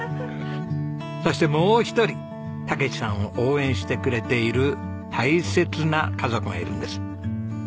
そしてもう一人武史さんを応援してくれている大切な家族がいるんです。